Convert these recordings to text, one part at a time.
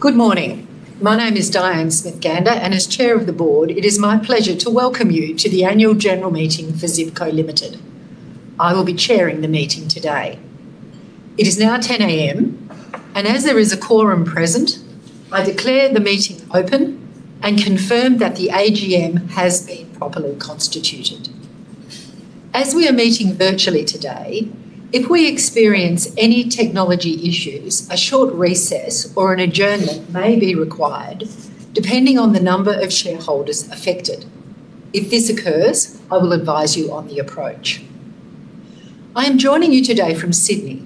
Good morning. My name is Diane Smith-Gander, and as Chair of the Board, it is my pleasure to welcome you to the Annual General Meeting for Zip Co Limited. I will be chairing the meeting today. It is now 10:00 A.M., and as there is a quorum present, I declare the meeting open and confirm that the AGM has been properly constituted. As we are meeting virtually today, if we experience any technology issues, a short recess or an adjournment may be required, depending on the number of shareholders affected. If this occurs, I will advise you on the approach. I am joining you today from Sydney.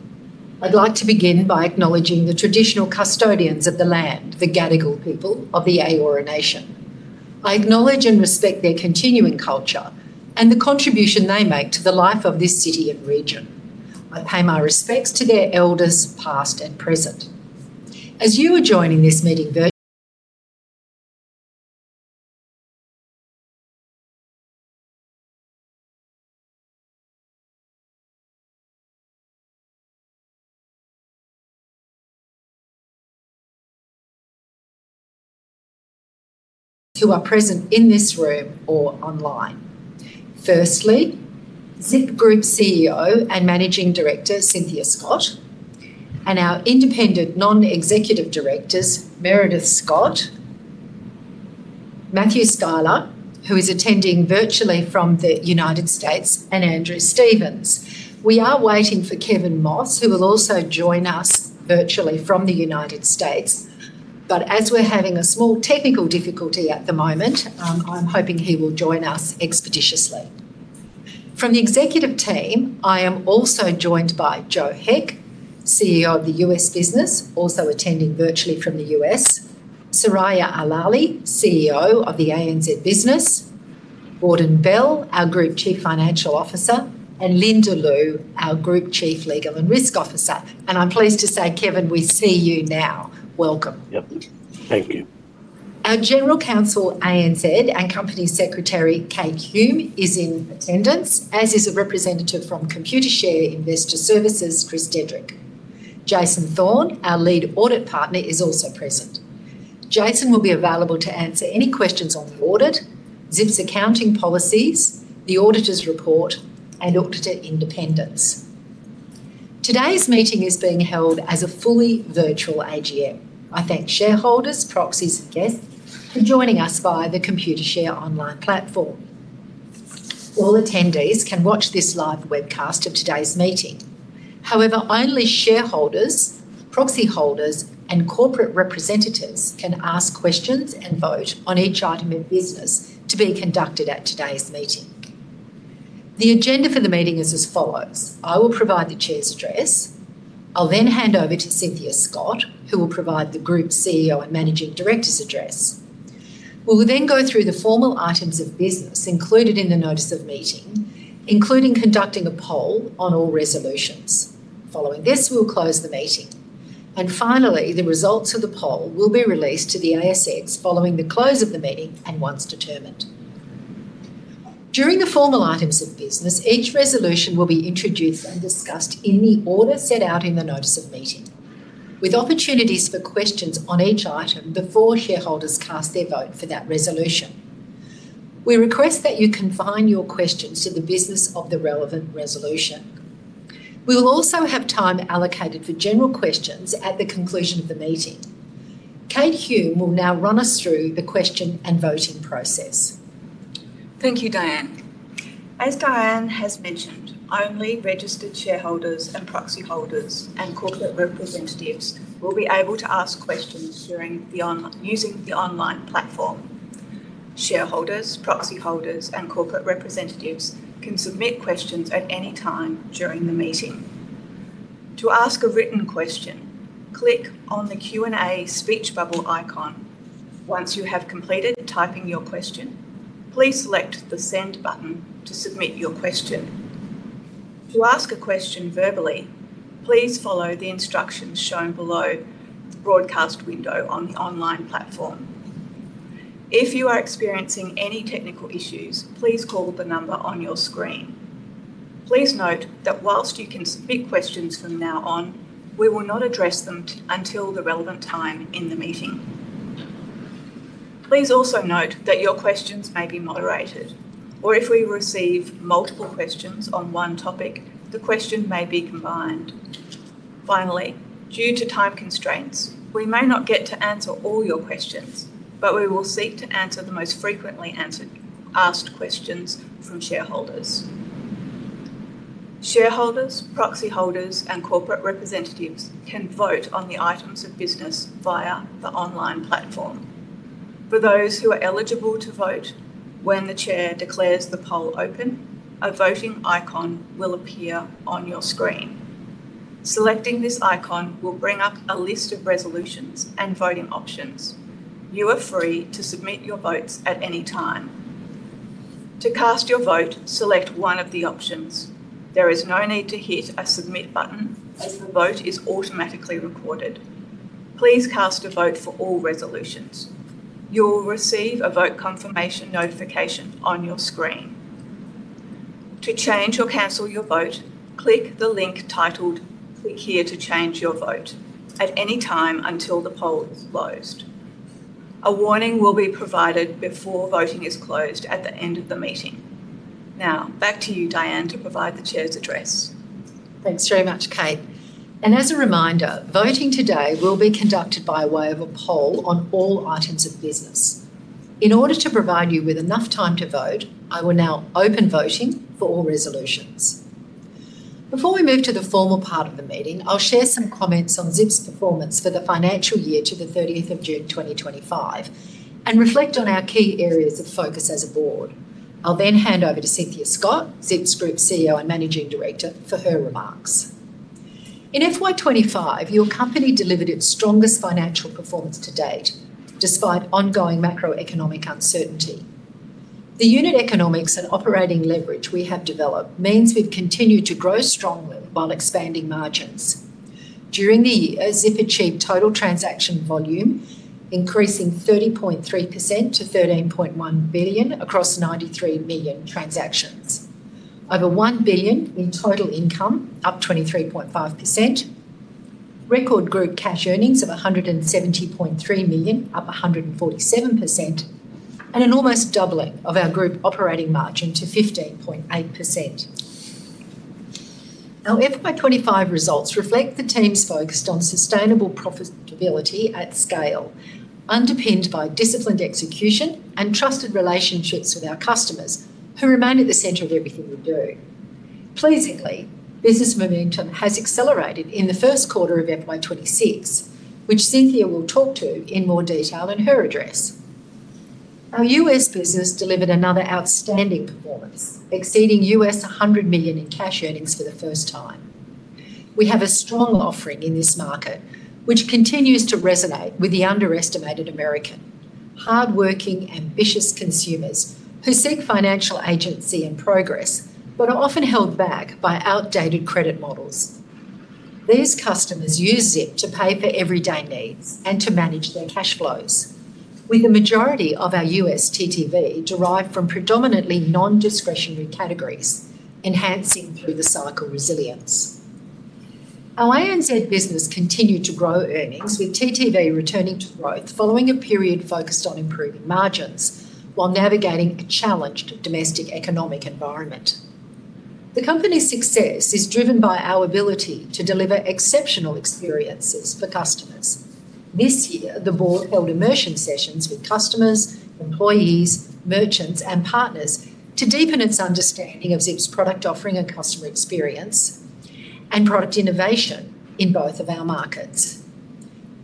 I'd like to begin by acknowledging the traditional custodians of the land, the Gadigal people of the Eora Nation. I acknowledge and respect their continuing culture and the contribution they make to the life of this city and region. I pay my respects to their elders, past and present. As you are joining this meeting, who are present in this room or online. Firstly, Zip Group CEO and Managing Director, Cynthia Scott, and our independent non-executive directors, Meredith Scott, Matthew Schuyler, who is attending virtually from the United States, and Andrew Stevens. We are waiting for Kevin Moss, who will also join us virtually from the United States, but as we're having a small technical difficulty at the moment, I'm hoping he will join us expeditiously. From the executive team, I am also joined by Joe Heck, CEO of the U.S. Business, also attending virtually from the U.S., Soraya Alali, CEO of the ANZ Business, Gordon Bell, our Group Chief Financial Officer, and Linda Lu, our Group Chief Legal and Risk Officer. I'm pleased to say, Kevin, we see you now. Welcome. Yep. Thank you. Our General Counsel ANZ and Company Secretary, Kate Hume, is in attendance, as is a representative from Computershare Investor Services, Chris Dedrick. Jason Thorne, our Lead Audit Partner, is also present. Jason will be available to answer any questions on the audit, Zip's accounting policies, the auditor's report, and auditor independence. Today's meeting is being held as a fully virtual AGM. I thank shareholders, proxies, and guests for joining us via the Computershare Online platform. All attendees can watch this live webcast of today's meeting. However, only shareholders, proxy holders, and corporate representatives can ask questions and vote on each item in business to be conducted at today's meeting. The agenda for the meeting is as follows. I will provide the Chair's address. I'll then hand over to Cynthia Scott, who will provide the Group CEO and Managing Director's address. We will then go through the formal items of business included in the Notice of Meeting, including conducting a poll on all resolutions. Following this, we will close the meeting. Finally, the results of the poll will be released to the ASX following the close of the meeting and once determined. During the formal items of business, each resolution will be introduced and discussed in the order set out in the Notice of Meeting, with opportunities for questions on each item before shareholders cast their vote for that resolution. We request that you confine your questions to the business of the relevant resolution. We will also have time allocated for general questions at the conclusion of the meeting. Kate Hume will now run us through the question and voting process. Thank you, Diane. As Diane has mentioned, only registered shareholders and proxy holders and corporate representatives will be able to ask questions during the online platform. Shareholders, proxy holders, and corporate representatives can submit questions at any time during the meeting. To ask a written question, click on the Q&A speech bubble icon. Once you have completed typing your question, please select the send button to submit your question. To ask a question verbally, please follow the instructions shown below the broadcast window on the online platform. If you are experiencing any technical issues, please call the number on your screen. Please note that whilst you can submit questions from now on, we will not address them until the relevant time in the meeting. Please also note that your questions may be moderated, or if we receive multiple questions on one topic, the question may be combined. Finally, due to time constraints, we may not get to answer all your questions, but we will seek to answer the most frequently asked questions from shareholders. Shareholders, proxy holders, and corporate representatives can vote on the items of business via the online platform. For those who are eligible to vote, when the Chair declares the poll open, a voting icon will appear on your screen. Selecting this icon will bring up a list of resolutions and voting options. You are free to submit your votes at any time. To cast your vote, select one of the options. There is no need to hit a submit button, as the vote is automatically recorded. Please cast a vote for all resolutions. You'll receive a vote confirmation notification on your screen. To change or cancel your vote, click the link titled "Click here to change your vote" at any time until the poll is closed. A warning will be provided before voting is closed at the end of the meeting. Now, back to you, Diane, to provide the Chair's address. Thanks very much, Kate. As a reminder, voting today will be conducted by way of a poll on all items of business. In order to provide you with enough time to vote, I will now open voting for all resolutions. Before we move to the formal part of the meeting, I'll share some comments on Zip's performance for the financial year to the 30th of June 2025 and reflect on our key areas of focus as a board. I'll then hand over to Cynthia Scott, Zip's Group CEO and Managing Director, for her remarks. In FY 2025, your company delivered its strongest financial performance to date, despite ongoing macroeconomic uncertainty. The unit economics and operating leverage we have developed means we've continued to grow strongly while expanding margins. During the year, Zip achieved total transaction volume increasing 30.3% to $13.1 billion across 93 million transactions, over $1 billion in total income, up 23.5%. Record group cash earnings of $170.3 million, up 147%, and an almost doubling of our group operating margin to 15.8%. Our FY 2025 results reflect the team's focus on sustainable profitability at scale, underpinned by disciplined execution and trusted relationships with our customers, who remain at the center of everything we do. Pleasingly, business momentum has accelerated in the first quarter of FY 2026, which Cynthia will talk to in more detail in her address. Our U.S. business delivered another outstanding performance, exceeding $100 million in cash earnings for the first time. We have a strong offering in this market, which continues to resonate with the underestimated American, hardworking, ambitious consumers who seek financial agency and progress but are often held back by outdated credit models. These customers use Zip to pay for everyday needs and to manage their cash flows, with the majority of our U.S. TTV derived from predominantly non-discretionary categories, enhancing through the cycle resilience. Our ANZ business continued to grow earnings, with TTV returning to growth following a period focused on improving margins while navigating a challenged domestic economic environment. The company's success is driven by our ability to deliver exceptional experiences for customers. This year, the board held immersion sessions with customers, employees, merchants, and partners to deepen its understanding of Zip's product offering and customer experience and product innovation in both of our markets.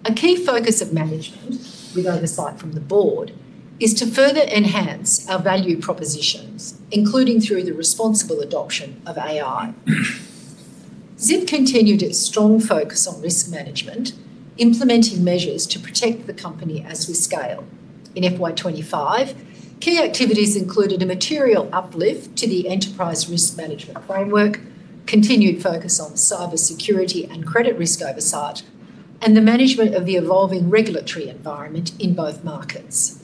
A key focus of management, with oversight from the board, is to further enhance our value propositions, including through the responsible adoption of AI. Zip continued its strong focus on risk management, implementing measures to protect the company as we scale. In FY 2025, key activities included a material uplift to the enterprise risk management framework, continued focus on cybersecurity and credit risk oversight, and the management of the evolving regulatory environment in both markets.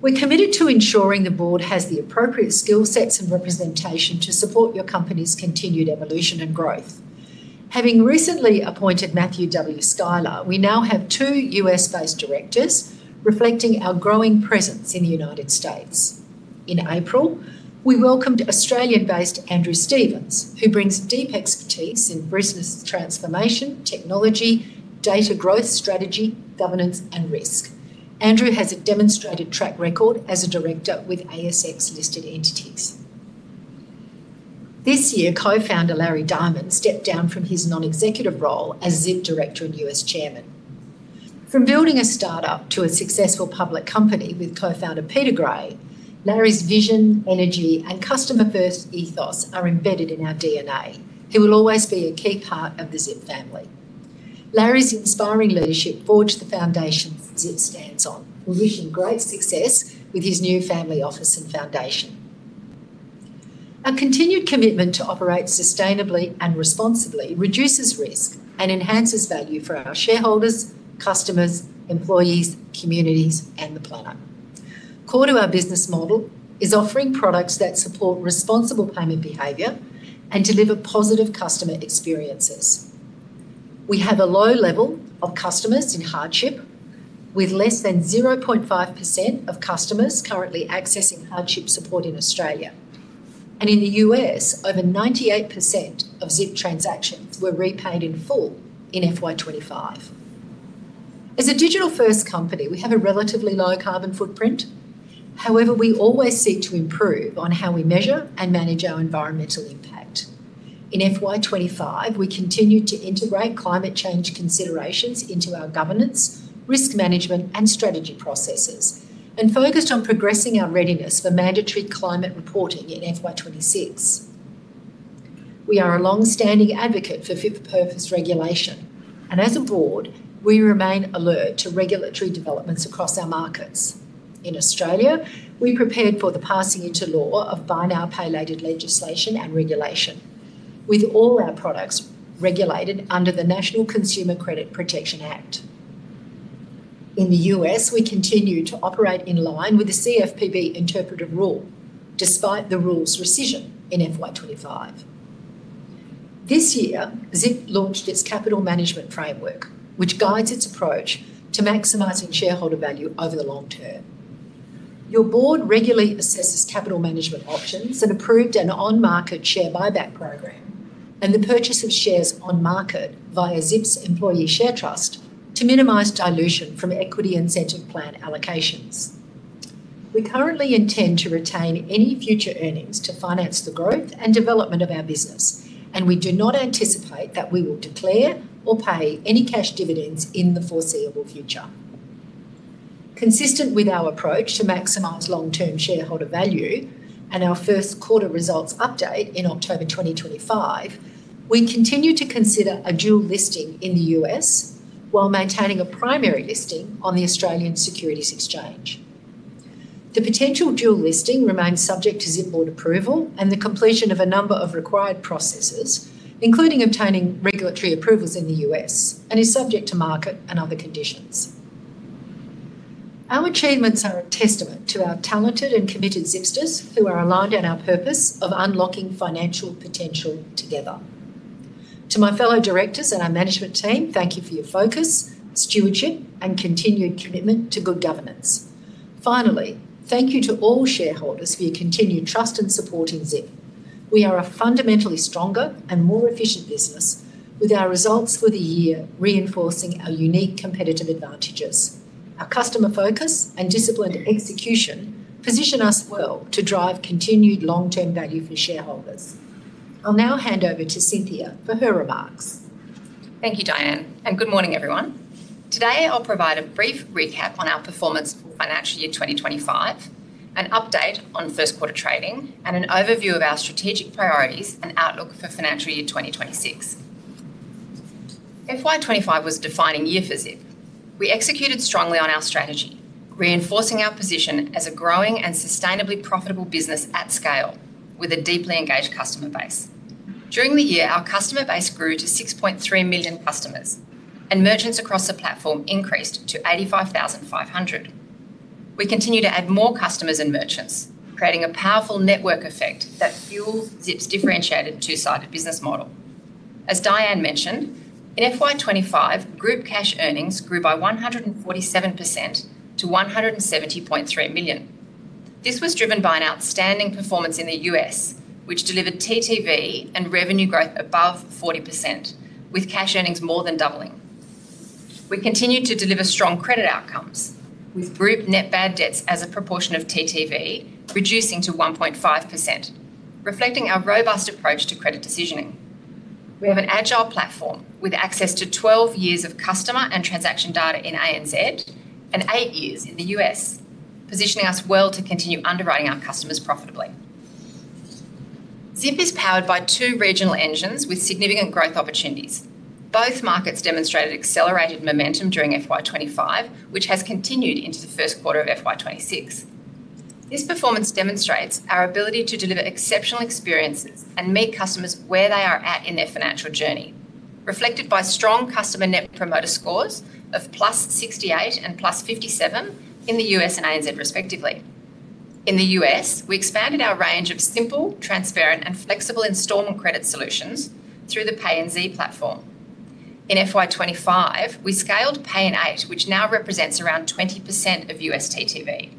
We're committed to ensuring the Board has the appropriate skill sets and representation to support your company's continued evolution and growth. Having recently appointed Matthew W. Schuyler, we now have two U.S.-based directors reflecting our growing presence in the United States. In April, we welcomed Australian-based Andrew Stevens, who brings deep expertise in business transformation, technology, data growth strategy, governance, and risk. Andrew has a demonstrated track record as a director with ASX-listed entities. This year, co-founder Larry Diamond stepped down from his non-executive role as Zip Director and U.S. Chairman. From building a startup to a successful public company with co-founder Peter Gray, Larry's vision, energy, and customer-first ethos are embedded in our DNA. He will always be a key part of the Zip family. Larry's inspiring leadership forged the foundation Zip stands on, reaching great success with his new family office and foundation. Our continued commitment to operate sustainably and responsibly reduces risk and enhances value for our shareholders, customers, employees, communities, and the planet. Core to our business model is offering products that support responsible payment behavior and deliver positive customer experiences. We have a low level of customers in hardship, with less than 0.5% of customers currently accessing hardship support in Australia. In the U.S., over 98% of Zip transactions were repaid in full in FY 2025. As a digital-first company, we have a relatively low carbon footprint. However, we always seek to improve on how we measure and manage our environmental impact. In FY 2025, we continued to integrate climate change considerations into our governance, risk management, and strategy processes and focused on progressing our readiness for mandatory climate reporting in FY 2026. We are a longstanding advocate for fit-for-purpose regulation, and as a board, we remain alert to regulatory developments across our markets. In Australia, we prepared for the passing into law of buy-now-pay-later legislation and regulation, with all our products regulated under the National Consumer Credit Protection Act. In the U.S., we continue to operate in line with the CFPB interpretive rule, despite the rule's rescission in FY 2025. This year, Zip launched its capital management framework, which guides its approach to maximizing shareholder value over the long term. Your board regularly assesses capital management options and approved an on-market share buyback program and the purchase of shares on market via Zip's employee share trust to minimize dilution from equity incentive plan allocations. We currently intend to retain any future earnings to finance the growth and development of our business, and we do not anticipate that we will declare or pay any cash dividends in the foreseeable future. Consistent with our approach to maximize long-term shareholder value and our first quarter results update in October 2025, we continue to consider a dual listing in the U.S. while maintaining a primary listing on the Australian Securities Exchange. The potential dual listing remains subject to Zip board approval and the completion of a number of required processes, including obtaining regulatory approvals in the U.S., and is subject to market and other conditions. Our achievements are a testament to our talented and committed Zipsters who are aligned on our purpose of unlocking financial potential together. To my fellow directors and our management team, thank you for your focus, stewardship, and continued commitment to good governance. Finally, thank you to all shareholders for your continued trust and support in Zip. We are a fundamentally stronger and more efficient business, with our results for the year reinforcing our unique competitive advantages. Our customer focus and disciplined execution position us well to drive continued long-term value for shareholders. I'll now hand over to Cynthia for her remarks. Thank you, Diane, and good morning, everyone. Today, I'll provide a brief recap on our performance for financial year 2025, an update on first quarter trading, and an overview of our strategic priorities and outlook for financial year 2026. FY 2025 was a defining year for Zip. We executed strongly on our strategy, reinforcing our position as a growing and sustainably profitable business at scale with a deeply engaged customer base. During the year, our customer base grew to 6.3 million customers, and merchants across the platform increased to 85,500. We continue to add more customers and merchants, creating a powerful network effect that fuels Zip's differentiated two-sided business model. As Diane mentioned, in FY 2025, group cash earnings grew by 147% to $170.3 million. This was driven by an outstanding performance in the U.S., which delivered TTV and revenue growth above 40%, with cash earnings more than doubling. We continue to deliver strong credit outcomes, with group net bad debts as a proportion of TTV reducing to 1.5%, reflecting our robust approach to credit decisioning. We have an agile platform with access to 12 years of customer and transaction data in ANZ and eight years in the U.S., positioning us well to continue underwriting our customers profitably. Zip is powered by two regional engines with significant growth opportunities. Both markets demonstrated accelerated momentum during FY 2025, which has continued into the first quarter of FY 2026. This performance demonstrates our ability to deliver exceptional experiences and meet customers where they are at in their financial journey, reflected by strong customer Net Promoter Scores of +68 and +57 in the U.S. and ANZ, respectively. In the U.S., we expanded our range of simple, transparent, and flexible installment credit solutions through the Pay in Zip platform. In FY 2025, we scaled Pay in 8, which now represents around 20% of U.S. TTV.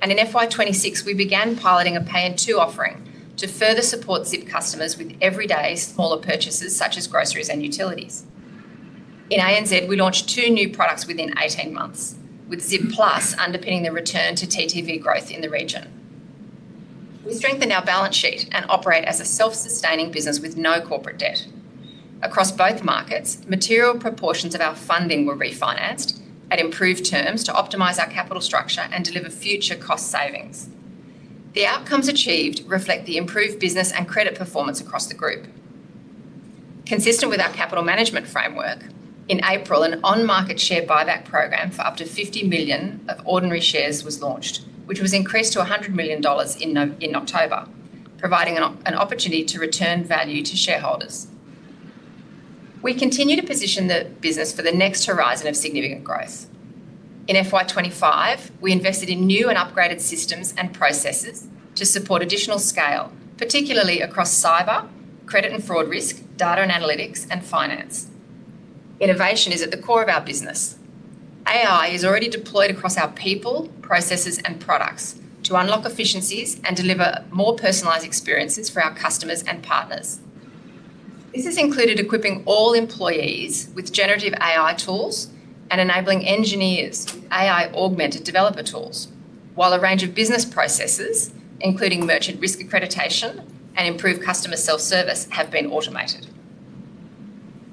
In FY 2026, we began piloting a Pay in 2 offering to further support Zip customers with everyday smaller purchases such as groceries and utilities. In ANZ, we launched two new products within 18 months, with Zip Plus underpinning the return to TTV growth in the region. We strengthened our balance sheet and operate as a self-sustaining business with no corporate debt. Across both markets, material proportions of our funding were refinanced at improved terms to optimize our capital structure and deliver future cost savings. The outcomes achieved reflect the improved business and credit performance across the group. Consistent with our capital management framework, in April, an on-market share buyback program for up to $50 million of ordinary shares was launched, which was increased to $100 million in October, providing an opportunity to return value to shareholders. We continue to position the business for the next horizon of significant growth. In FY 2025, we invested in new and upgraded systems and processes to support additional scale, particularly across cyber, credit and fraud risk, data and analytics, and finance. Innovation is at the core of our business. AI is already deployed across our people, processes, and products to unlock efficiencies and deliver more personalized experiences for our customers and partners. This has included equipping all employees with generative AI tools and enabling engineers with AI-augmented developer tools, while a range of business processes, including merchant risk accreditation and improved customer self-service, have been automated.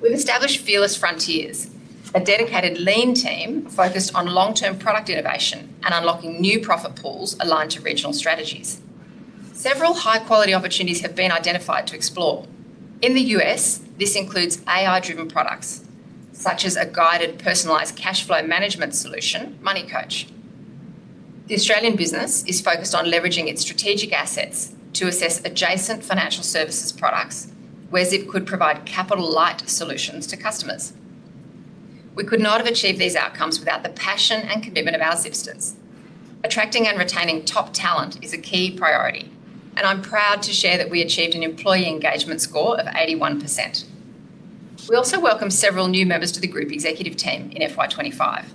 We've established Fearless Frontiers, a dedicated lean team focused on long-term product innovation and unlocking new profit pools aligned to regional strategies. Several high-quality opportunities have been identified to explore. In the U.S., this includes AI-driven products such as a guided personalized cash flow management solution, Money Coach. The Australian business is focused on leveraging its strategic assets to assess adjacent financial services products where Zip could provide capital-light solutions to customers. We could not have achieved these outcomes without the passion and commitment of our Zipsters. Attracting and retaining top talent is a key priority, and I'm proud to share that we achieved an employee engagement score of 81%. We also welcome several new members to the group executive team in FY 2025.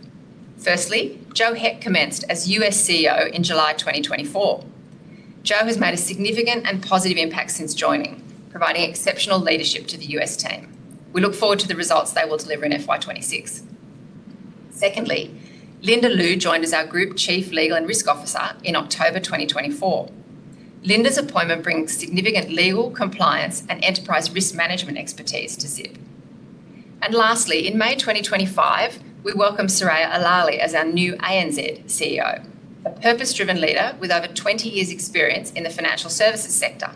Firstly, Joe Heck commenced as U.S. CEO in July 2024. Joe has made a significant and positive impact since joining, providing exceptional leadership to the U.S. team. We look forward to the results they will deliver in FY 2026. Secondly, Linda Lu joined as our Group Chief Legal and Risk Officer in October 2024. Linda's appointment brings significant legal, compliance, and enterprise risk management expertise to Zip. Lastly, in May 2025, we welcome Soraya Alali as our new ANZ CEO, a purpose-driven leader with over 20 years' experience in the financial services sector,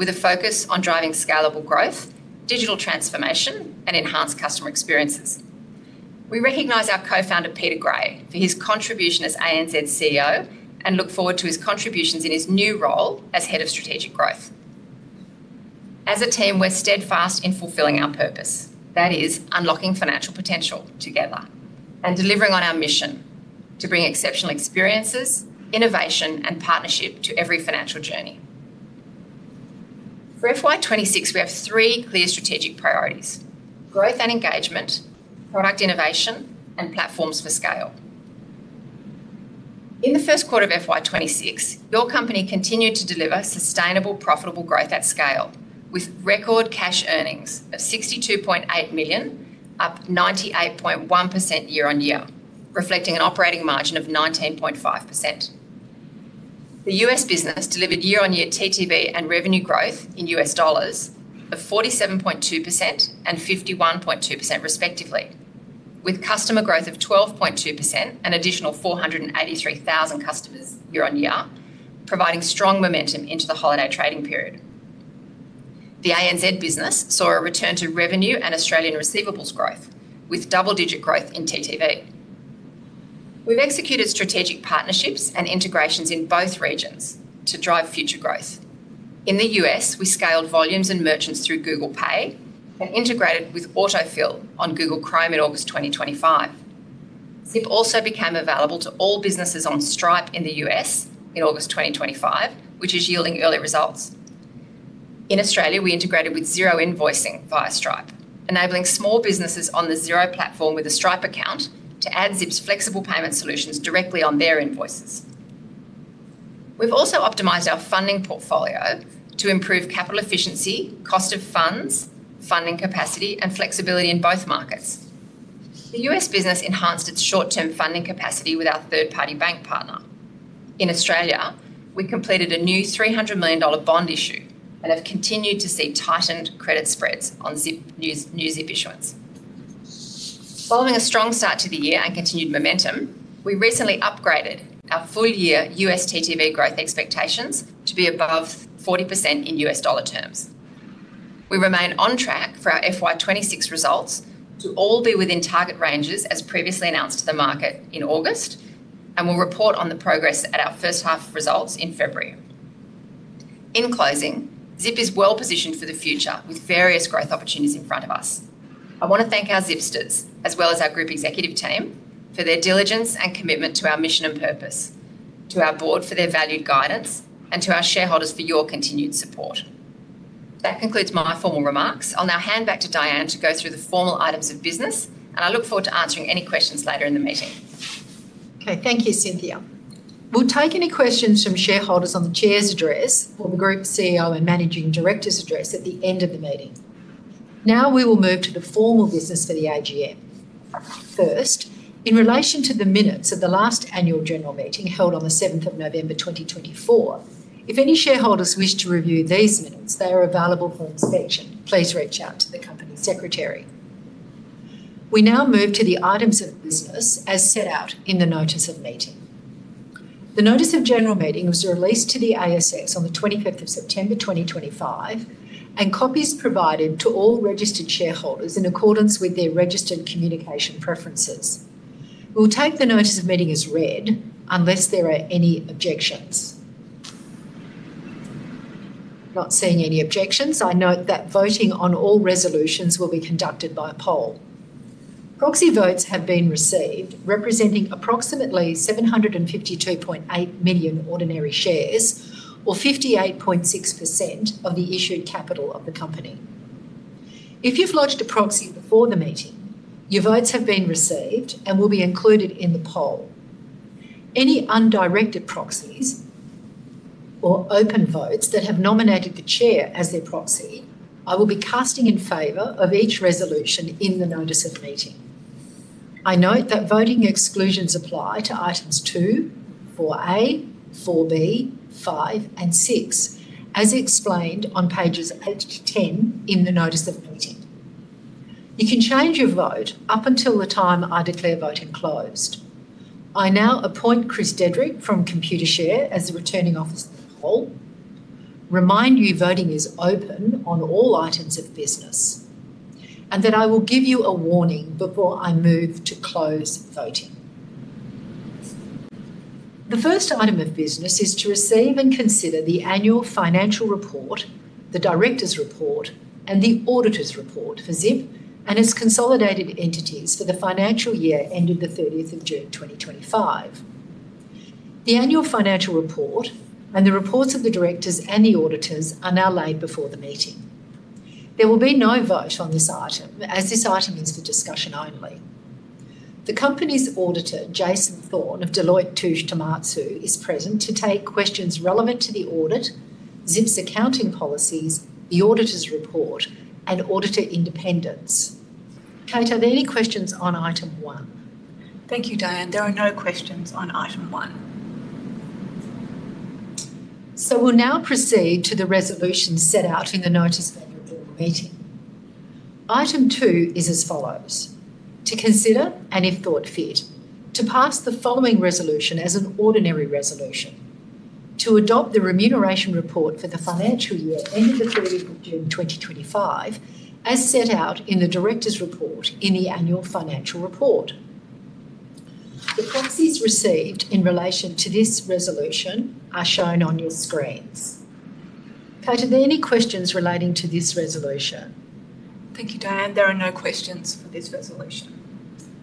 with a focus on driving scalable growth, digital transformation, and enhanced customer experiences. We recognize our co-founder, Peter Gray, for his contribution as ANZ CEO and look forward to his contributions in his new role as Head of Strategic Growth. As a team, we're steadfast in fulfilling our purpose, that is, unlocking financial potential together and delivering on our mission to bring exceptional experiences, innovation, and partnership to every financial journey. For FY 2026, we have three clear strategic priorities: growth and engagement, product innovation, and platforms for scale. In the first quarter of FY 2026, your company continued to deliver sustainable, profitable growth at scale with record cash earnings of $62.8 million, up 98.1% year-on-year, reflecting an operating margin of 19.5%. The U.S. business delivered year-on-year TTV and revenue growth in U.S. dollars of 47.2% and 51.2%, respectively, with customer growth of 12.2% and an additional 483,000 customers year-on-year, providing strong momentum into the holiday trading period. The ANZ business saw a return to revenue and Australian receivables growth, with double-digit growth in TTV. We've executed strategic partnerships and integrations in both regions to drive future growth. In the U.S., we scaled volumes and merchants through Google Pay and integrated with Autofill on Google Chrome in August 2025. Zip also became available to all businesses on Stripe in the U.S. in August 2025, which is yielding early results. In Australia, we integrated with Xero Invoicing via Stripe, enabling small businesses on the Xero platform with a Stripe account to add Zip's flexible payment solutions directly on their invoices. We've also optimized our funding portfolio to improve capital efficiency, cost of funds, funding capacity, and flexibility in both markets. The U.S. business enhanced its short-term funding capacity with our third-party bank partner. In Australia, we completed a new $300 million bond issue and have continued to see tightened credit spreads on new Zip issuance. Following a strong start to the year and continued momentum, we recently upgraded our full-year U.S. TTV growth expectations to be above 40% in U.S. dollar terms. We remain on track for our FY 2026 results to all be within target ranges, as previously announced to the market in August, and will report on the progress at our first half results in February. In closing, Zip is well positioned for the future with various growth opportunities in front of us. I want to thank our Zipsters, as well as our group executive team, for their diligence and commitment to our mission and purpose, to our Board for their valued guidance, and to our shareholders for your continued support. That concludes my formal remarks. I'll now hand back to Diane to go through the formal items of business, and I look forward to answering any questions later in the meeting. Okay, thank you, Cynthia. We'll take any questions from shareholders on the Chair's address or the Group CEO and Managing Director's address at the end of the meeting. Now we will move to the formal business for the AGM. First, in relation to the minutes of the last Annual General Meeting held on the 7th of November, 2024, if any shareholders wish to review these minutes, they are available for inspection. Please reach out to the Company Secretary. We now move to the items of business as set out in the notice of meeting. The notice of general meeting was released to the ASX on the 25th of September, 2025, and copies provided to all registered shareholders in accordance with their registered communication preferences. We'll take the notice of meeting as read unless there are any objections. Not seeing any objections, I note that voting on all resolutions will be conducted by a poll. Proxy votes have been received, representing approximately 752.8 million ordinary shares, or 58.6% of the issued capital of the company. If you've lodged a proxy before the meeting, your votes have been received and will be included in the poll. Any undirected proxies or open votes that have nominated the chair as their proxy, I will be casting in favor of each resolution in the notice of meeting. I note that voting exclusions apply to items 2, 4A, 4B, 5, and 6, as explained on pages 8 to 10 in the notice of meeting. You can change your vote up until the time I declare voting closed. I now appoint Chris Dedrick from Computershare as the returning officer of the poll, and remind you voting is open on all items of business. I will give you a warning before I move to close voting. The first item of business is to receive and consider the annual financial report, the directors' report, and the auditor's report for Zip and its consolidated entities for the financial year ended the 30th of June 2025. The annual financial report and the reports of the directors and the auditors are now laid before the meeting. There will be no vote on this item as this item is for discussion only. The company's auditor, Jason Thorne of Deloitte, is present to take questions relevant to the audit, Zip's accounting policies, the auditor's report, and auditor independence. Kate, are there any questions on item one? Thank you, Diane. There are no questions on item one. We'll now proceed to the resolution set out in the notice of meeting. Item two is as follows: to consider, and if thought fit, to pass the following resolution as an ordinary resolution: to adopt the remuneration report for the financial year ended the 30th of June 2025, as set out in the director's report in the annual financial report. The proxies received in relation to this resolution are shown on your screens. Kate, are there any questions relating to this resolution? Thank you, Diane. There are no questions for this resolution.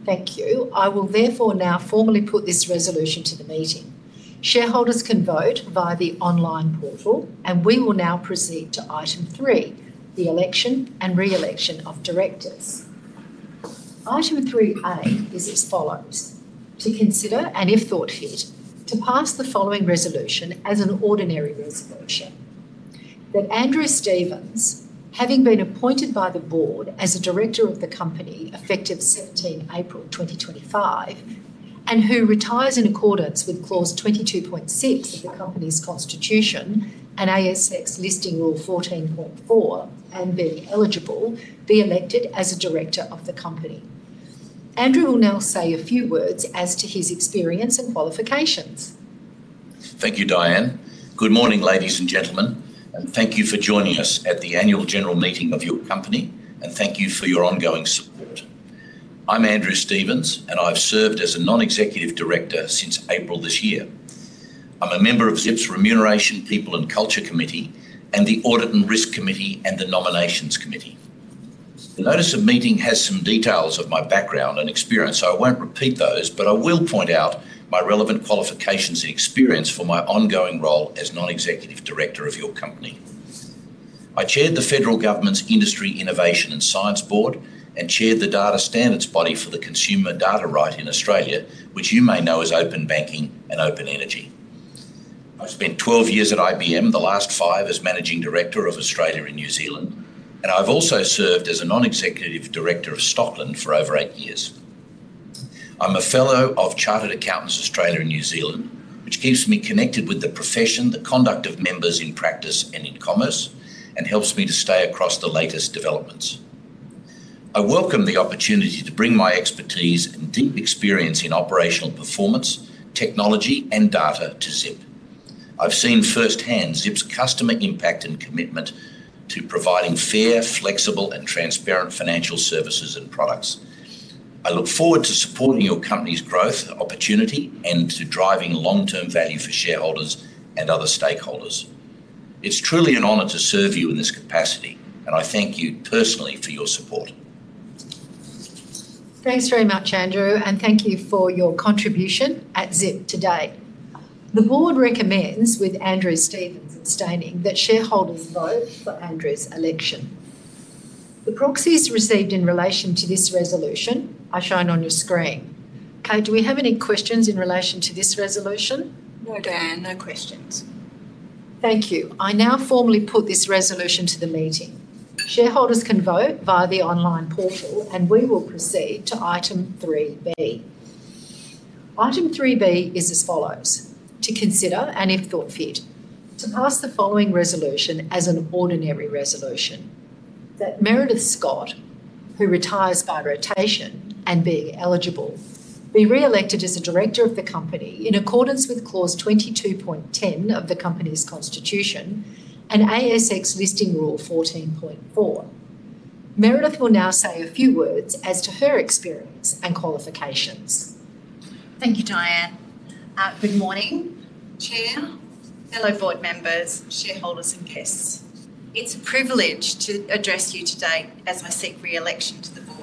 Thank you. I will therefore now formally put this resolution to the meeting. Shareholders can vote via the online portal, and we will now proceed to item three, the election and reelection of directors. Item three A is as follows: to consider, and if thought fit, to pass the following resolution as an ordinary resolution. That Andrew Stevens, having been appointed by the board as a director of the company effective 17 April 2025, and who retires in accordance with clause 22.6 of the company's constitution and ASX Listing Rule 14.4, and being eligible, be elected as a director of the company. Andrew will now say a few words as to his experience and qualifications. Thank you, Diane. Good morning, ladies and gentlemen, and thank you for joining us at the annual general meeting of your company, and thank you for your ongoing support. I'm Andrew Stevens, and I've served as a non-executive director since April this year. I'm a member of Zip's Remuneration, People and Culture Committee and the Audit and Risk Committee and the Nominations Committee. The notice of meeting has some details of my background and experience, so I won't repeat those, but I will point out my relevant qualifications and experience for my ongoing role as non-executive director of your company. I chaired the Federal Government's Industry Innovation and Science Board and chaired the Data Standards Body for the Consumer Data Right in Australia, which you may know as Open Banking and Open Energy. I've spent 12 years at IBM, the last five as Managing Director of Australia and New Zealand, and I've also served as a non-executive director of Stockland for over eight years. I'm a fellow of Chartered Accountants Australia and New Zealand, which keeps me connected with the profession, the conduct of members in practice and in commerce, and helps me to stay across the latest developments. I welcome the opportunity to bring my expertise and deep experience in operational performance, technology, and data to Zip. I've seen firsthand Zip's customer impact and commitment to providing fair, flexible, and transparent financial services and products. I look forward to supporting your company's growth opportunity and to driving long-term value for shareholders and other stakeholders. It's truly an honor to serve you in this capacity, and I thank you personally for your support. Thanks very much, Andrew, and thank you for your contribution at Zip today. The Board recommends, with Andrew Stevens abstaining, that shareholders vote for Andrew's election. The proxies received in relation to this resolution are shown on your screen. Kate, do we have any questions in relation to this resolution? No, Diane, no questions. Thank you. I now formally put this resolution to the meeting. Shareholders can vote via the online portal, and we will proceed to item 3B. Item 3B is as follows: to consider, and if thought fit, to pass the following resolution as an ordinary resolution: that Meredith Scott, who retires by rotation and being eligible, be reelected as a director of the company in accordance with clause 22.10 of the company's constitution and ASX Listing Rule 14.4. Meredith will now say a few words as to her experience and qualifications. Thank you, Diane. Good morning, Chair, fellow board members, shareholders, and guests. It's a privilege to address you today as I seek reelection to the board.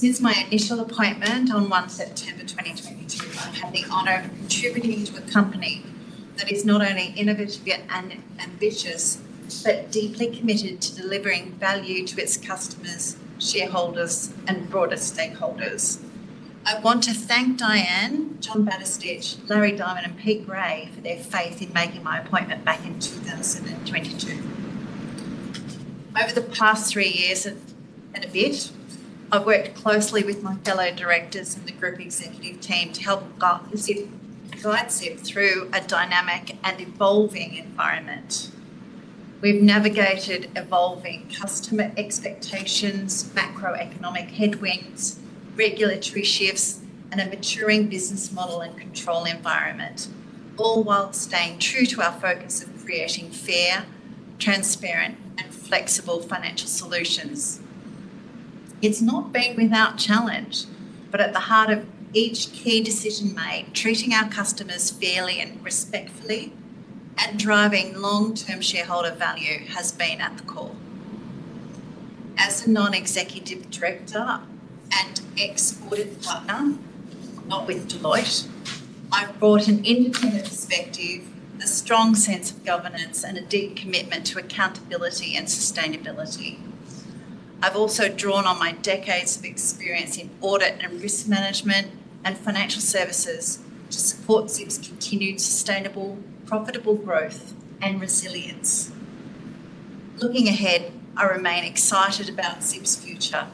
Since my initial appointment on 1 September 2022, I have the honor of contributing to a company that is not only innovative and ambitious, but deeply committed to delivering value to its customers, shareholders, and broader stakeholders. I want to thank Diane, John Batistich, Larry Diamond, and Pete Gray for their faith in making my appointment back in 2022. Over the past three years and a bit, I've worked closely with my fellow directors and the group executive team to help guide Zip through a dynamic and evolving environment. We've navigated evolving customer expectations, macroeconomic headwinds, regulatory shifts, and a maturing business model and control environment, all while staying true to our focus of creating fair, transparent, and flexible financial solutions. It's not been without challenge, but at the heart of each key decision made, treating our customers fairly and respectfully and driving long-term shareholder value has been at the core. As a Non-Executive Director and ex-audit partner, not with Deloitte, I've brought an independent perspective, a strong sense of governance, and a deep commitment to accountability and sustainability. I've also drawn on my decades of experience in audit and risk management and financial services to support Zip's continued sustainable, profitable growth and resilience. Looking ahead, I remain excited about Zip's future.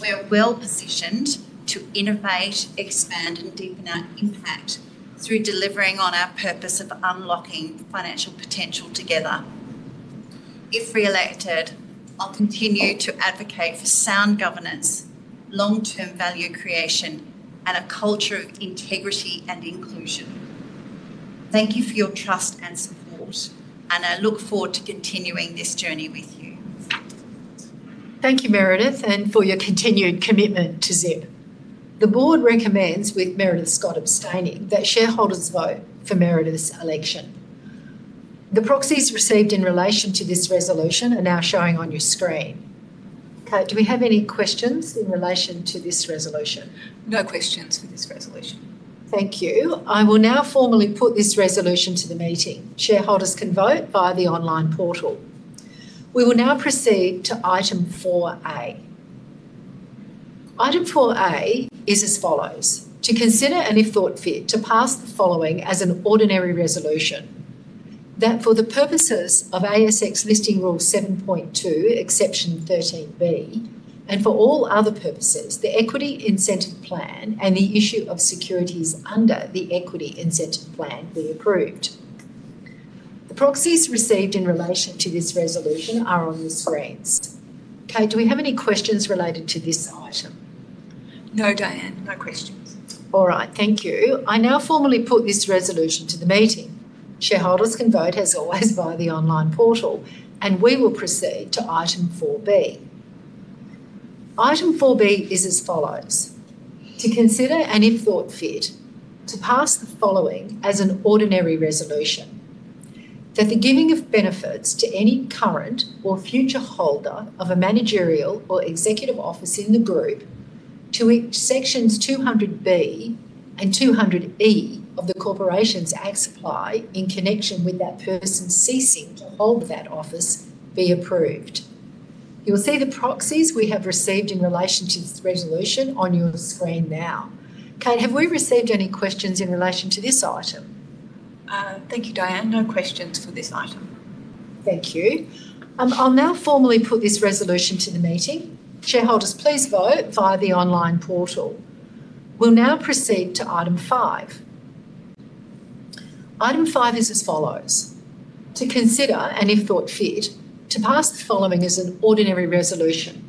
We are well positioned to innovate, expand, and deepen our impact through delivering on our purpose of unlocking financial potential together. If reelected, I'll continue to advocate for sound governance, long-term value creation, and a culture of integrity and inclusion. Thank you for your trust and support, and I look forward to continuing this journey with you. Thank you, Meredith, and for your continued commitment to Zip. The board recommends, with Meredith Scott abstaining, that shareholders vote for Meredith's election. The proxies received in relation to this resolution are now showing on your screen. Kate, do we have any questions in relation to this resolution? No questions for this resolution. Thank you. I will now formally put this resolution to the meeting. Shareholders can vote via the online portal. We will now proceed to item 4A. Item 4A is as follows: to consider and if thought fit to pass the following as an ordinary resolution: that for the purposes of ASX Listing Rule 7.2, exception 13B, and for all other purposes, the Equity Incentive Plan and the issue of securities under the Equity Incentive Plan be approved. The proxies received in relation to this resolution are on your screens. Kate, do we have any questions related to this item? No, Diane, no questions. All right, thank you. I now formally put this resolution to the meeting. Shareholders can vote, as always, via the online portal, and we will proceed to item 4B. Item 4B is as follows: to consider and if thought fit to pass the following as an ordinary resolution: that the giving of benefits to any current or future holder of a managerial or executive office in the group pursuant to sections 200B and 200E of the Corporations Act in connection with that person ceasing to hold that office be approved. You'll see the proxies we have received in relation to this resolution on your screen now. Kate, have we received any questions in relation to this item? Thank you, Diane. No questions for this item. Thank you. I'll now formally put this resolution to the meeting. Shareholders, please vote via the online portal. We'll now proceed to item 5. Item 5 is as follows: to consider and if thought fit to pass the following as an ordinary resolution: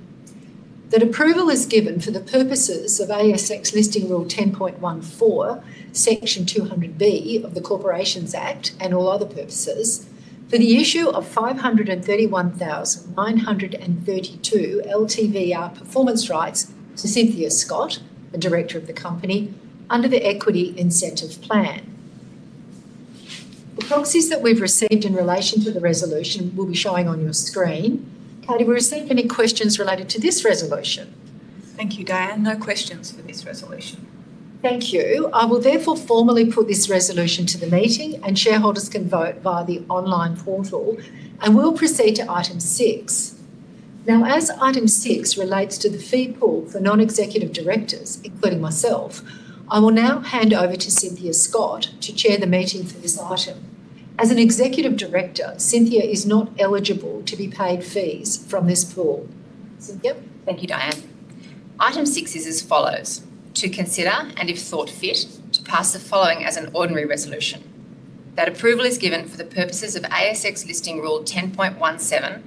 that approval is given for the purposes of ASX Listing Rule 10.14, section 200B of the Corporations Act and all other purposes, for the issue of 531,932 LTVR Performance Rights to Cynthia Scott, the Director of the company, under the Equity Incentive Plan. The proxies that we've received in relation to the resolution will be showing on your screen. Kate, have we received any questions related to this resolution? Thank you, Diane. No questions for this resolution. Thank you. I will therefore formally put this resolution to the meeting, and shareholders can vote via the online portal, and we'll proceed to item six. Now, as item six relates to the fee pool for non-executive directors, including myself, I will now hand over to Cynthia Scott to chair the meeting for this item. As an executive director, Cynthia is not eligible to be paid fees from this pool. Thank you, Diane. Item 6 is as follows: to consider and if thought fit to pass the following as an ordinary resolution: that approval is given for the purposes of ASX Listing Rule 10.17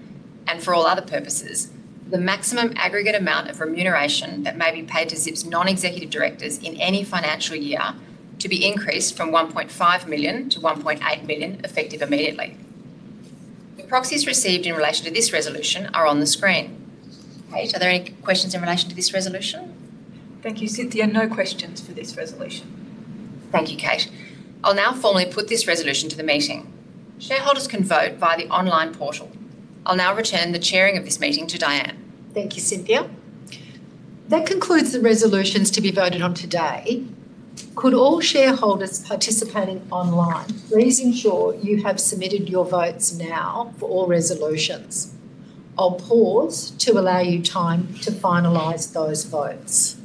and for all other purposes, the maximum aggregate amount of remuneration that may be paid to Zip's non-executive directors in any financial year to be increased from $1.5 million to $1.8 million effective immediately. The proxies received in relation to this resolution are on the screen. Kate, are there any questions in relation to this resolution? Thank you, Cynthia. No questions for this resolution. Thank you, Kate. I'll now formally put this resolution to the meeting. Shareholders can vote via the online portal. I'll now return the chairing of this meeting to Diane. Thank you, Cynthia. That concludes the resolutions to be voted on today. Could all shareholders participating online please ensure you have submitted your votes now for all resolutions? I'll pause to allow you time to finalize those votes.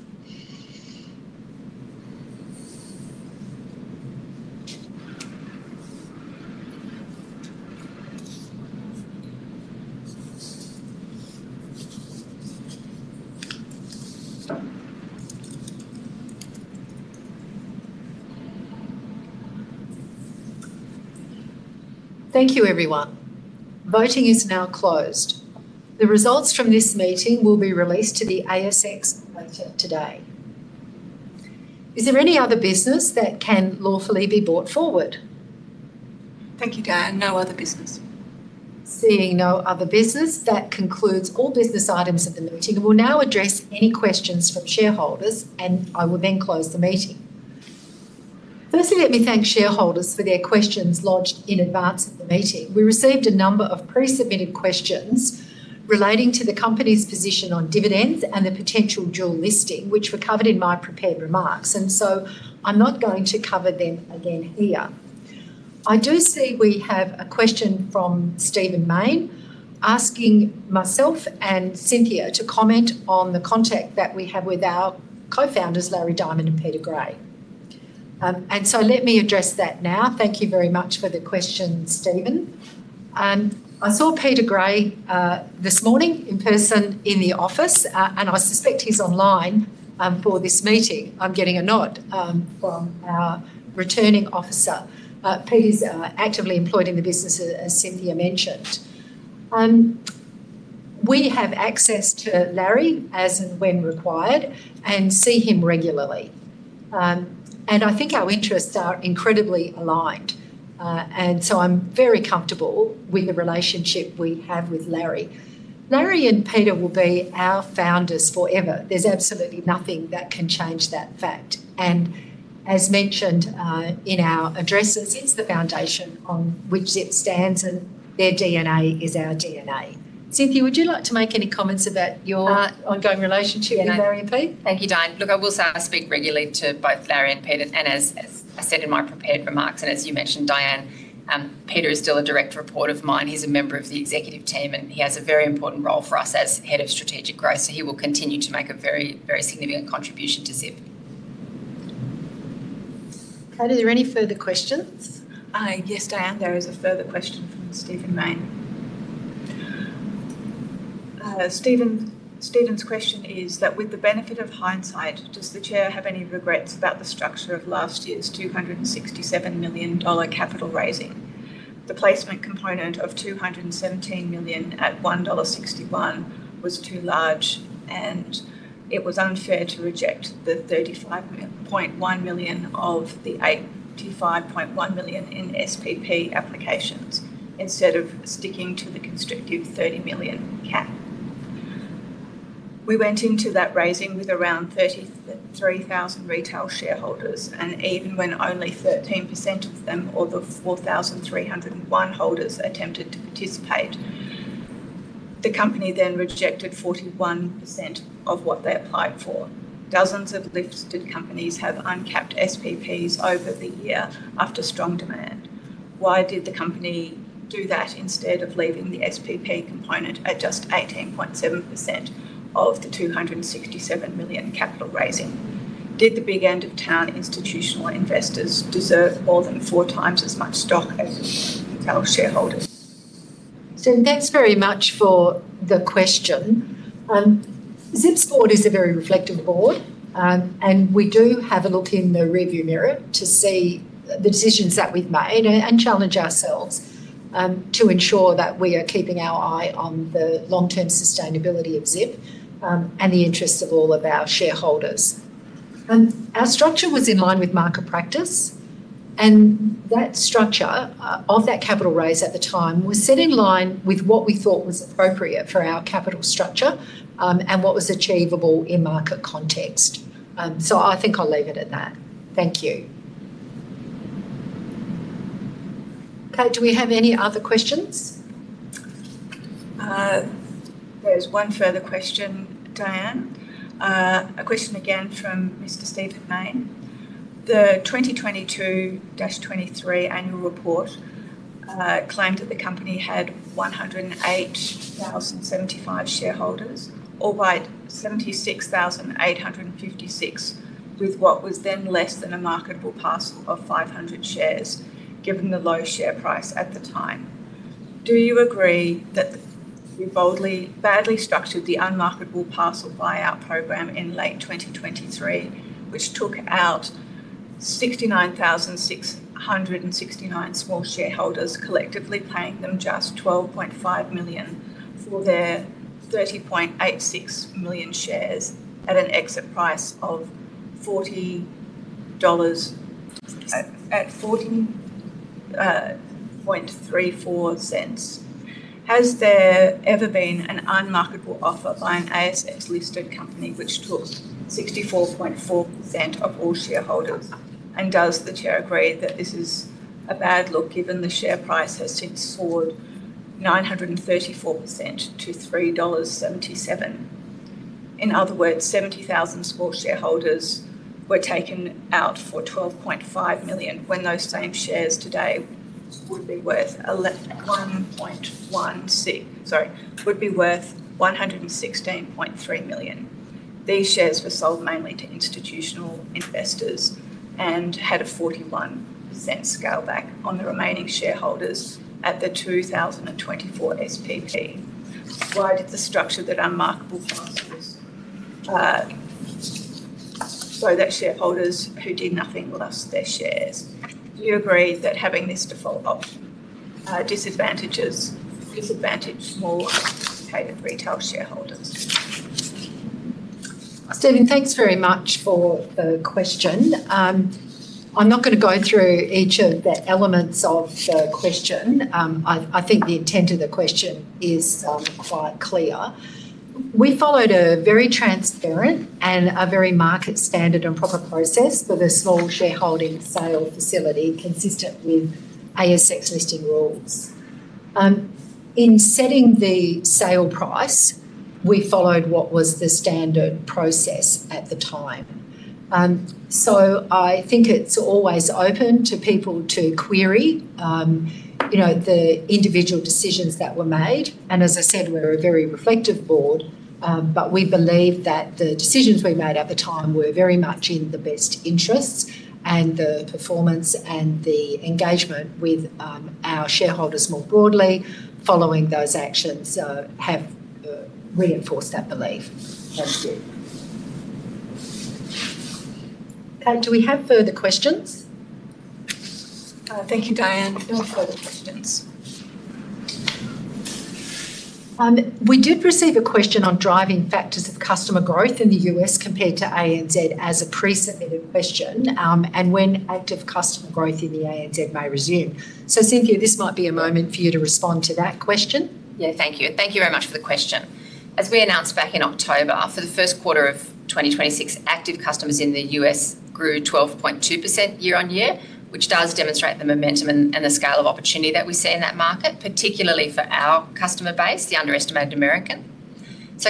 Thank you, everyone. Voting is now closed. The results from this meeting will be released to the ASX later today. Is there any other business that can lawfully be brought forward? Thank you, Diane. No other business. Seeing no other business, that concludes all business items of the meeting. We'll now address any questions from shareholders, and I will then close the meeting. Firstly, let me thank shareholders for their questions lodged in advance of the meeting. We received a number of pre-submitted questions relating to the company's position on dividends and the potential dual listing, which were covered in my prepared remarks, and so I'm not going to cover them again here. I do see we have a question from Stephen Mayne asking myself and Cynthia to comment on the contact that we have with our co-founders, Larry Diamond and Peter Gray. And so let me address that now. Thank you very much for the question, Stephen. I saw Peter Gray this morning in person in the office, and I suspect he's online for this meeting. I'm getting a nod from our returning officer. Peter's actively employed in the business, as Cynthia mentioned. We have access to Larry as and when required and see him regularly. I think our interests are incredibly aligned. I am very comfortable with the relationship we have with Larry. Larry and Peter will be our founders forever. There's absolutely nothing that can change that fact. As mentioned in our addresses, it's the foundation on which Zip stands, and their DNA is our DNA. Cynthia, would you like to make any comments about your ongoing relationship with Larry and Pete? Thank you, Diane. Look, I will say I speak regularly to both Larry and Peter, and as I said in my prepared remarks, and as you mentioned, Diane, Peter is still a direct report of mine. He is a member of the executive team, and he has a very important role for us as Head of Strategic Growth, so he will continue to make a very, very significant contribution to Zip. Kate, are there any further questions? Yes, Diane, there is a further question from Stephen Mayne. Stephen's question is that, with the benefit of hindsight, does the Chair have any regrets about the structure of last year's $267 million capital raising? The placement component of $217 million at $1.61 was too large, and it was unfair to reject the $35.1 million of the $85.1 million in SPP applications instead of sticking to the constrictive $30 million cap. We went into that raising with around 33,000 retail shareholders, and even when only 13% of them, or the 4,301 holders, attempted to participate, the company then rejected 41% of what they applied for. Dozens of listed companies have uncapped SPPs over the year after strong demand. Why did the company do that instead of leaving the SPP component at just 18.7% of the $267 million capital raising? Did the Big End of Town institutional investors deserve more than four times as much stock as retail shareholders? Thanks very much for the question. Zip's board is a very reflective board, and we do have a look in the rearview mirror to see the decisions that we've made and challenge ourselves to ensure that we are keeping our eye on the long-term sustainability of Zip and the interests of all of our shareholders. Our structure was in line with market practice, and that structure of that capital raise at the time was set in line with what we thought was appropriate for our capital structure and what was achievable in market context. I think I'll leave it at that. Thank you. Kate, do we have any other questions? There's one further question, Diane. A question again from Mr. Stephen Mayne. The 2022-2023 annual report claimed that the company had 108,075 shareholders, or by 76,856 with what was then less than a marketable parcel of 500 shares given the low share price at the time. Do you agree that you boldly badly structured the unmarketable parcel buyout program in late 2023, which took out 69,669 small shareholders collectively, paying them just $12.5 million for their 30.86 million shares at an exit price of $0.4034? Has there ever been an unmarketable offer by an ASX-listed company which took 64.4% of all shareholders? Does the Chair agree that this is a bad look given the share price has since soared 934% to $3.77? In other words, 70,000 small shareholders were taken out for $12.5 million when those same shares today would be worth $116.3 million. These shares were sold mainly to institutional investors and had a 41% scale back on the remaining shareholders at the 2024 SPP. Why did the structure that unmarketable parcels, so that shareholders who did nothing lost their shares? Do you agree that having this default option disadvantages small retail shareholders? Stephen, thanks very much for the question. I'm not going to go through each of the elements of the question. I think the intent of the question is quite clear. We followed a very transparent and a very market-standard and proper process for the small shareholding sale facility consistent with ASX listing rules. In setting the sale price, we followed what was the standard process at the time. I think it's always open to people to query the individual decisions that were made, and as I said, we're a very reflective board, but we believe that the decisions we made at the time were very much in the best interests and the performance and the engagement with our shareholders more broadly following those actions have reinforced that belief. Thank you. Kate, do we have further questions? Thank you, Diane. No further questions. We did receive a question on driving factors of customer growth in the U.S. compared to ANZ as a pre-submitted question, and when active customer growth in the ANZ may resume. Cynthia, this might be a moment for you to respond to that question. Yeah, thank you. Thank you very much for the question. As we announced back in October, for the first quarter of 2026, active customers in the U.S. grew 12.2% year on year, which does demonstrate the momentum and the scale of opportunity that we see in that market, particularly for our customer base, the underestimated American.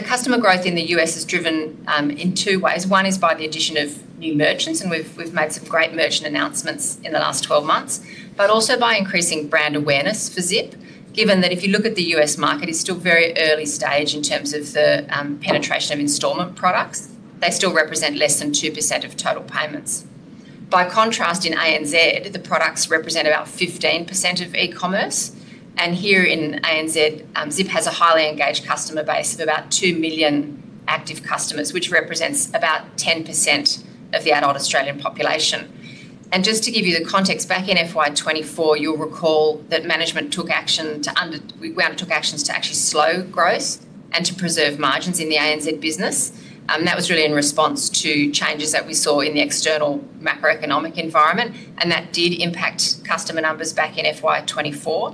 Customer growth in the U.S. is driven in two ways. One is by the addition of new merchants, and we've made some great merchant announcements in the last 12 months, but also by increasing brand awareness for Zip, given that if you look at the U.S. market, it's still very early stage in terms of the penetration of installment products. They still represent less than 2% of total payments. By contrast, in ANZ, the products represent about 15% of e-commerce. Here in ANZ, Zip has a highly engaged customer base of about 2 million active customers, which represents about 10% of the adult Australian population. Just to give you the context, back in FY 2024, you'll recall that management took action to, we undertook actions to actually slow growth and to preserve margins in the ANZ business. That was really in response to changes that we saw in the external macroeconomic environment, and that did impact customer numbers back in FY 2024.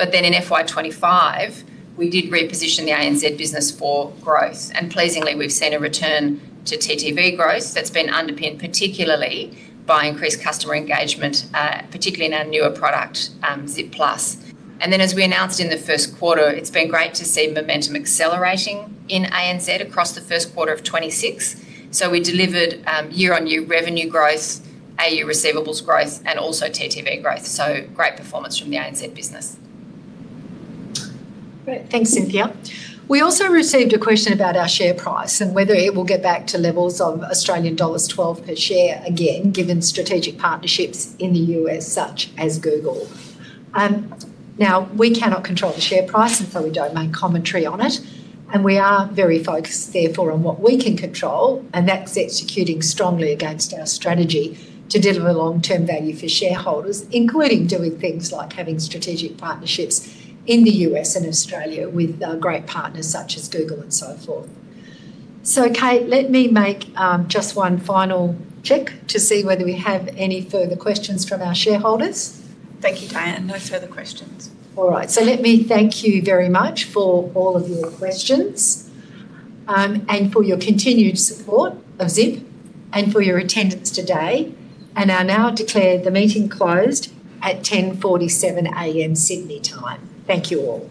In FY 2025, we did reposition the ANZ business for growth. Pleasingly, we've seen a return to TTV growth that's been underpinned particularly by increased customer engagement, particularly in our newer product, Zip Plus. As we announced in the first quarter, it's been great to see momentum accelerating in ANZ across the first quarter of 2026. We delivered year-on-year revenue growth, AU receivables growth, and also TTV growth. Great performance from the ANZ business. Great. Thanks, Cynthia. We also received a question about our share price and whether it will get back to levels of Australian dollars 12 per share again, given strategic partnerships in the U.S. such as Google. We cannot control the share price, and we do not make commentary on it. We are very focused, therefore, on what we can control, and that is executing strongly against our strategy to deliver long-term value for shareholders, including doing things like having strategic partnerships in the U.S. and Australia with great partners such as Google and so forth. Kate, let me make just one final check to see whether we have any further questions from our shareholders. Thank you, Diane. No further questions. All right. Let me thank you very much for all of your questions. Thank you for your continued support of Zip and for your attendance today, and I now declare the meeting closed at 10:47 A.M. Sydney time. Thank you all.